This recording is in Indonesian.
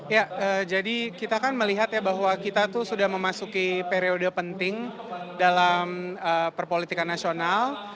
ya jadi kita kan melihat bahwa kita sudah memasuki periode penting dalam perpolitika nasional